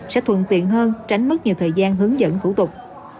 sẽ thuận tiện hơn tránh mất nhiều thời gian hướng dẫn thủ tục